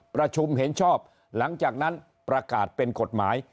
ประชุมเห็นชอบหลังจากนั้นประกาศเป็นกฎหมาย